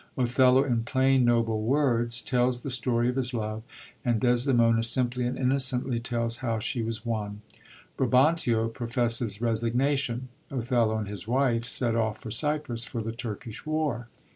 Othello in plain, noble words tells the story of his love, and Desdemona simply and innocently tells how she was won. Brabantio professes resignation. Othello and his wife set off for Cyprus for the Turkish war.